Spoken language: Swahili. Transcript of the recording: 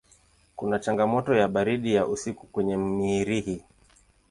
Kuna changamoto ya baridi ya usiku kwenye Mirihi.